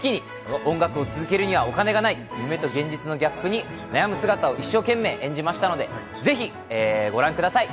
音楽を続けるにはお金がない、夢と現実のギャップに悩む姿を一生懸命演じましたので、ぜひご覧ください。